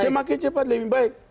semakin cepat lebih baik